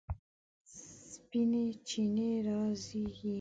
سپینې چینې رازیږي